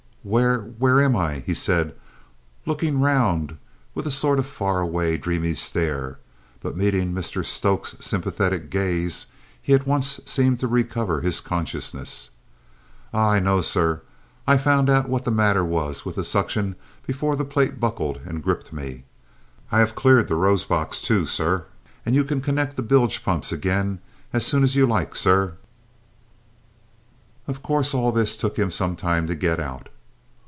"Where where am I?" he said, looking round with a sort of far away, dreamy stare, but meeting Mr Stokes' sympathetic gaze, he at once seemed to recover his consciousness. "Ah, I know, sir. I found out what was the matter with the suction before that plate buckled and gripped me. I have cleared the rose box, too, sir, and you can connect the bilge pumps again as soon as you like, sir." Of course all this took him some time to get out.